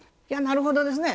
なるほどですね。